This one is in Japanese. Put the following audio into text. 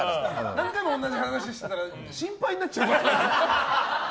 何回も同じ話してたら心配になっちゃうから。